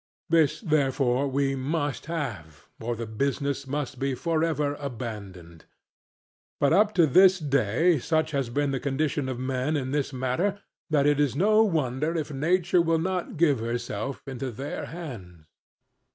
This therefore we must have, or the business must be for ever abandoned. But up to this day such has been the condition of men in this matter, that it is no wonder if nature will not give herself into their hands.